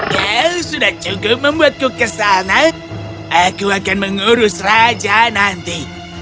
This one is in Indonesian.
kau sudah cukup membuatku kesana aku akan mengurus raja nanti